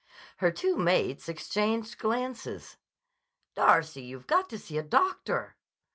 Her two mates exchanged glances. "Darcy, you've got to see a doctor."